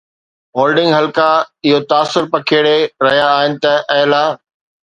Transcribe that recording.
holding حلقا اهو تاثر پکيڙي رهيا آهن ته اعليٰ